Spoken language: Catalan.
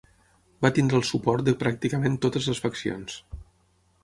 Va tenir el suport de pràcticament totes les faccions.